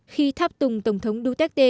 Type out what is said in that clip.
khi tháp tùng tổng thống duterte